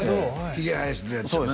ひげ生やしてたやつやな